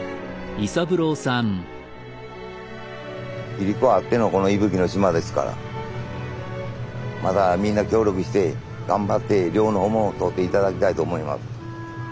いりこあってのこの伊吹の島ですからまたみんな協力して頑張って漁の方も取って頂きたいと思います。